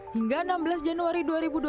hingga enam belas januari dua ribu dua puluh